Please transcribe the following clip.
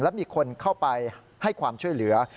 และมีคนเข้าไปให้ความช่วยเหลือ